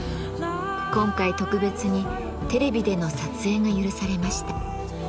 今回特別にテレビでの撮影が許されました。